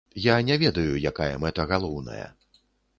Я не ведаю, якая мэта галоўная.